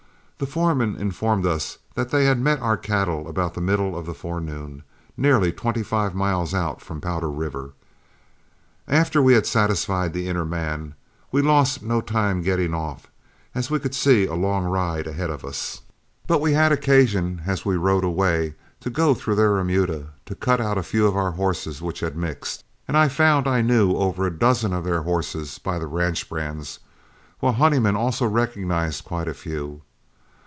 The foreman informed us that they had met our cattle about the middle of the forenoon, nearly twenty five miles out from Powder River. After we had satisfied the inner man, we lost no time getting off, as we could see a long ride ahead of us; but we had occasion as we rode away to go through their remuda to cut out a few of our horses which had mixed, and I found I knew over a dozen of their horses by the ranch brands, while Honeyman also recognized quite a few.